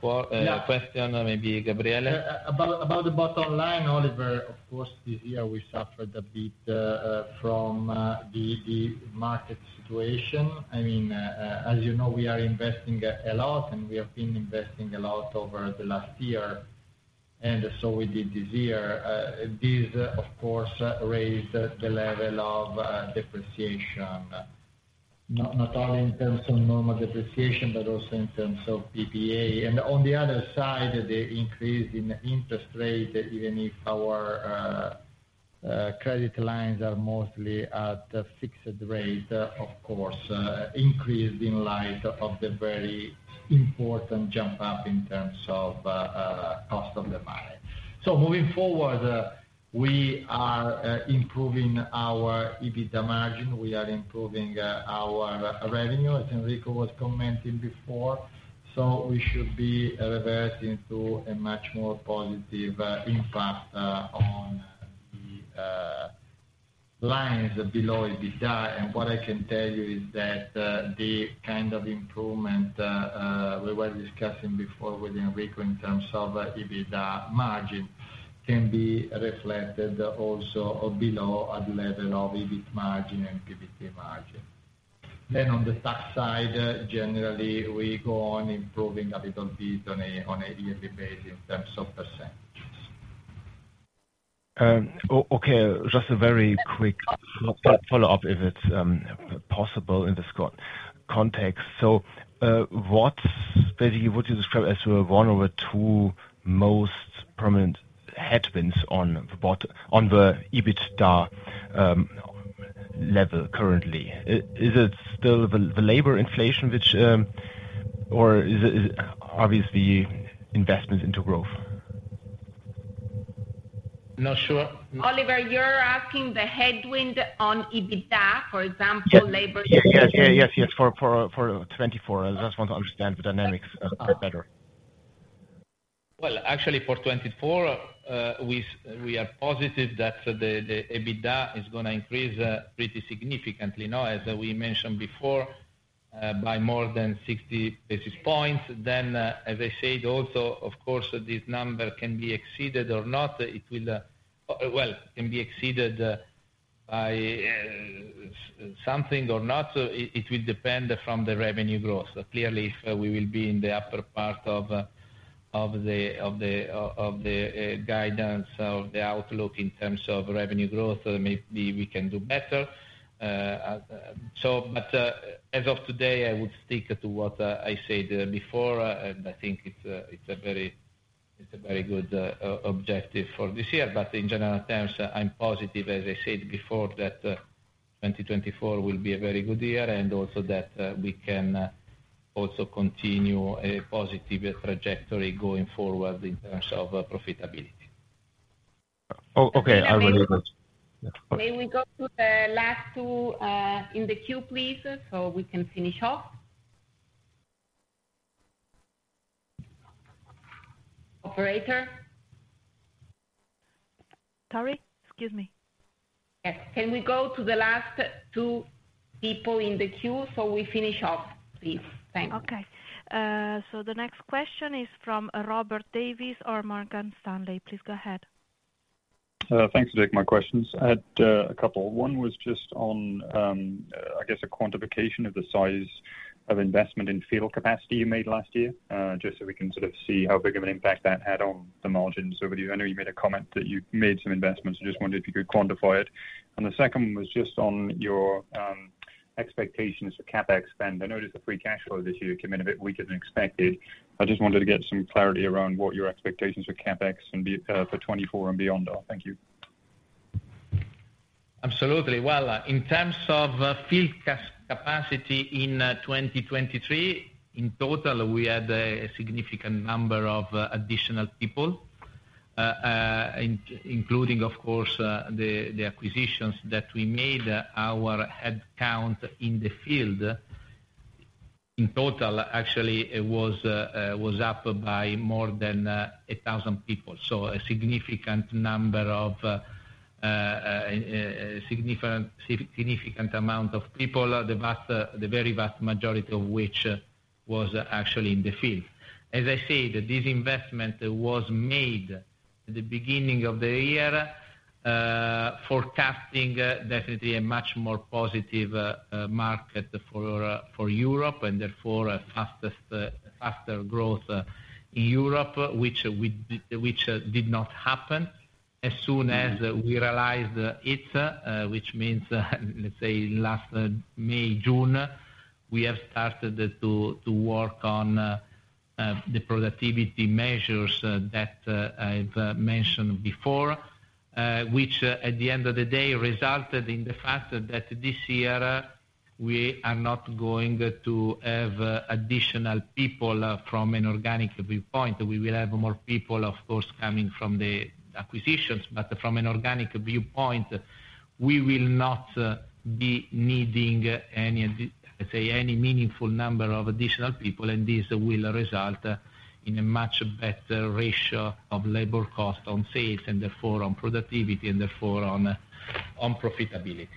question, maybe, Gabriele?
About the bottom line, Oliver, of course, this year, we suffered a bit from the market situation. I mean, as you know, we are investing a lot, and we have been investing a lot over the last year. And so we did this year. This, of course, raised the level of depreciation, not only in terms of normal depreciation, but also in terms of PPA. And on the other side, the increase in interest rate, even if our credit lines are mostly at fixed rate, of course, increased in light of the very important jump-up in terms of cost of the money. So moving forward, we are improving our EBITDA margin. We are improving our revenue, as Enrico was commenting before. So we should be reverting to a much more positive impact on the lines below EBITDA. And what I can tell you is that the kind of improvement we were discussing before with Enrico in terms of EBITDA margin can be reflected also below at the level of EBIT margin and PBT margin. Then on the tax side, generally, we go on improving a little bit on a yearly basis in terms of percentages.
Okay. Just a very quick follow-up, if it's possible, in this context. So what, basically, would you describe as one of the two most prominent headwinds on the EBITDA level currently? Is it still the labor inflation, or is it obviously investments into growth?
Not sure. Oliver, you're asking the headwind on EBITDA, for example, labor?
Yes. Yes. Yes. Yes. Yes. For 2024, I just want to understand the dynamics better.
Well, actually, for 2024, we are positive that the EBITDA is going to increase pretty significantly, as we mentioned before, by more than 60 basis points. Then, as I said, also, of course, this number can be exceeded or not. Well, it can be exceeded by something or not. It will depend from the revenue growth. Clearly, if we will be in the upper part of the guidance of the outlook in terms of revenue growth, maybe we can do better. But as of today, I would stick to what I said before. And I think it's a very good objective for this year. But in general terms, I'm positive, as we said before, that 2024 will be a very good year and also that we can also continue a positive trajectory going forward in terms of profitability.
Okay. I believe it.
May we go to the last two in the queue, please, so we can finish off? Operator?
Sorry. Excuse me.
Yes. Can we go to the last two people in the queue so we finish off, please? Thanks.
Okay. So the next question is from Robert Davies of Morgan Stanley. Please go ahead.
Thanks for taking my questions. I had a couple. One was just on, I guess, a quantification of the size of investment in full capacity you made last year, just so we can sort of see how big of an impact that had on the margins. I know you made a comment that you made some investments. I just wondered if you could quantify it. And the second was just on your expectations for CapEx spend. I noticed the free cash flow this year came in a bit weaker than expected. I just wanted to get some clarity around what your expectations for CapEx for 2024 and beyond are. Thank you.
Absolutely. Well, in terms of field capacity in 2023, in total, we had a significant number of additional people, including, of course, the acquisitions that we made. Our headcount in the field, in total, actually, was up by more than 1,000 people, so a significant number of a significant amount of people, the very vast majority of which was actually in the field. As I said, this investment was made at the beginning of the year, forecasting definitely a much more positive market for Europe and therefore a faster growth in Europe, which did not happen as soon as we realized it, which means, let's say, last May, June, we have started to work on the productivity measures that I've mentioned before, which, at the end of the day, resulted in the fact that this year, we are not going to have additional people from an organic viewpoint. We will have more people, of course, coming from the acquisitions. But from an organic viewpoint, we will not be needing, let's say, any meaningful number of additional people. And this will result in a much better ratio of labor cost on sales and therefore on productivity and therefore on profitability.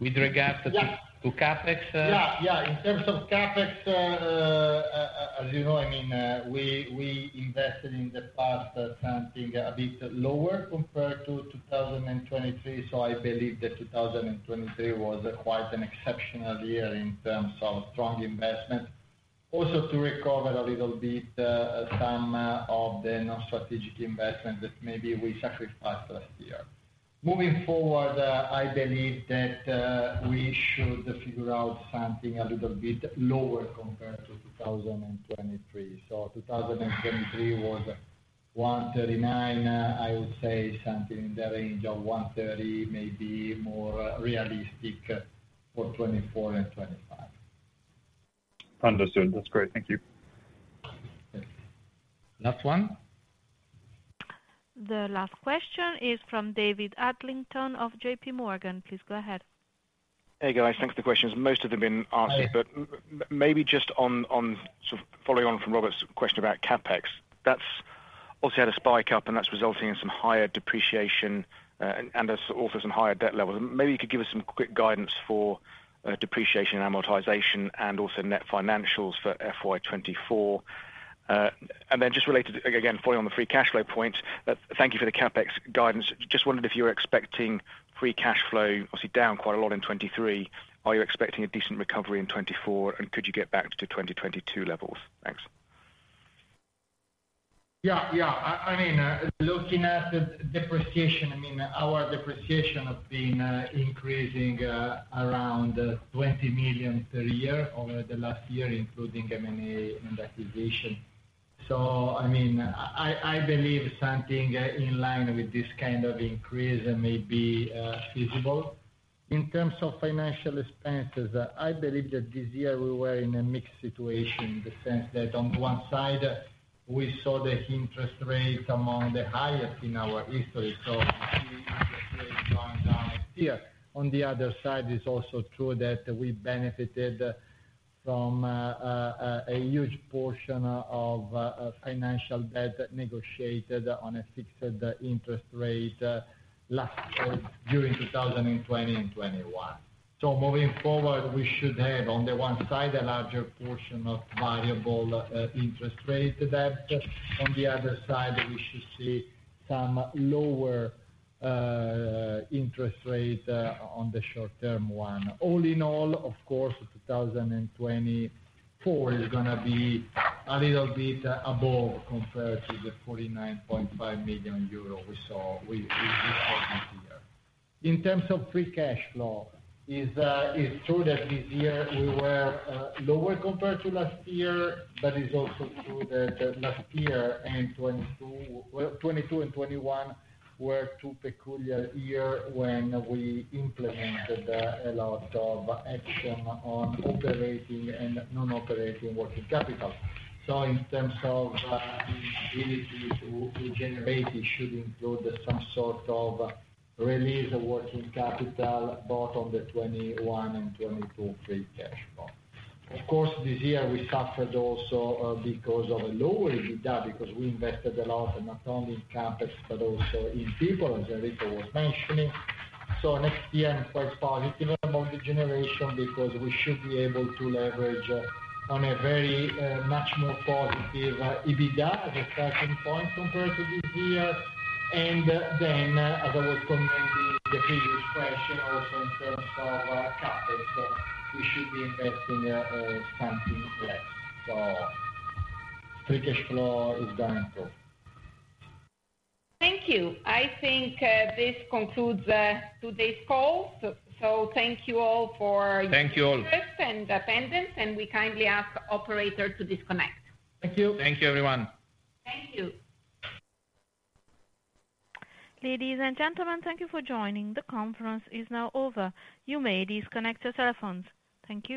With regards to CapEx?
Yeah. Yeah. In terms of CapEx, as you know, I mean, we invested in the past something a bit lower compared to 2023. So I believe that 2023 was quite an exceptional year in terms of strong investment, also to recover a little bit some of the non-strategic investments that maybe we sacrificed last year. Moving forward, I believe that we should figure out something a little bit lower compared to 2023. So 2023 was 139 million, I would say, something in the range of 130 million, maybe more realistic for 2024 and 2025.
Understood. That's great. Thank you.
Last one. The last question is from David Adlington of JPMorgan. Please go ahead.
Hey, guys. Thanks for the questions. Most of them have been answered. But maybe just on sort of following on from Robert's question about CapEx, that's also had a spike up, and that's resulting in some higher depreciation and also some higher debt levels. Maybe you could give us some quick guidance for depreciation and amortization and also net financials for FY 2024. And then just related, again, following on the free cash flow point, thank you for the CapEx guidance. Just wondered if you were expecting free cash flow, obviously, down quite a lot in 2023. Are you expecting a decent recovery in 2024, and could you get back to 2022 levels? Thanks.
Yeah. Yeah. I mean, looking at the depreciation, I mean, our depreciation has been increasing around 20 million per year over the last year, including M&A and activation. So I mean, I believe something in line with this kind of increase may be feasible. In terms of financial expenses, I believe that this year, we were in a mixed situation in the sense that on one side, we saw the interest rates among the highest in our history. So we see interest rates going down next year. On the other side, it's also true that we benefited from a huge portion of financial debt negotiated on a fixed interest rate during 2020 and 2021. So moving forward, we should have, on the one side, a larger portion of variable interest rate debt. On the other side, we should see some lower interest rate on the short-term one. All in all, of course, 2024 is going to be a little bit above compared to the 49.5 million euro we saw this year. In terms of free cash flow, it's true that this year, we were lower compared to last year. But it's also true that last year and 2022 and 2021 were two peculiar years when we implemented a lot of action on operating and non-operating working capital. So in terms of the ability to generate, it should include some sort of release of working capital both on the 2021 and 2022 free cash flow. Of course, this year, we suffered also because of a lower EBITDA because we invested a lot not only in CapEx but also in people, as Enrico was mentioning. So next year, I'm quite positive about the generation because we should be able to leverage on a much more positive EBITDA as a starting point compared to this year. And then, as I was commenting in the previous question, also in terms of CapEx, we should be investing something less. So free cash flow is going to.
Thank you. I think this concludes today's call. Thank you all for your interest and attendance. We kindly ask operator to disconnect. Thank you.
Thank you, everyone.
Thank you.
Ladies and gentlemen, thank you for joining. The conference is now over. You may disconnect your telephones. Thank you.